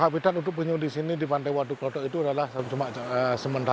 ya kebanyakan untuk penyu di sini di pantai waduk waduk itu adalah sementara ini ada satu penyu